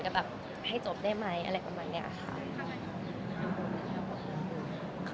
ก็แบบให้จบได้ไหมอะไรประมาณนี้ค่ะ